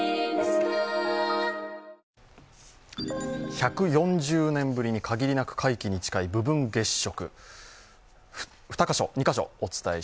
１４０年ぶりに限りなく皆既に近い部分月食。